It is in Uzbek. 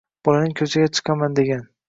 bolaning koʼchaga chiqaman degan